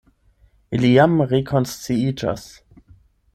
li jam rekonsciiĝas.